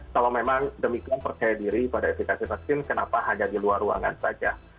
kalau memang demikian percaya diri pada efek vaksinasi kenapa hanya di luar ruangan saja